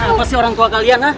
apa sih orang tua kalian lah